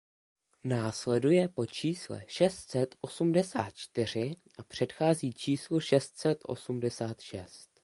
Následuje po čísle šest set osmdesát čtyři a předchází číslu šest set osmdesát šest.